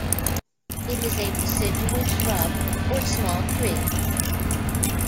It is a deciduous shrub or small tree.